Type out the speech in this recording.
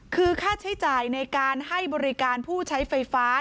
คือค่าใช้จ่ายในการให้บริการผู้ใช้ไฟฟ้า